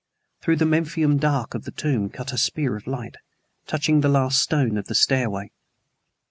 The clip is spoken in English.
Through the Memphian dark of the tomb cut a spear of light, touching the last stone of the stairway.